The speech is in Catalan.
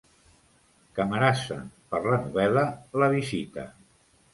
Camarasa, per la novel·la La visita.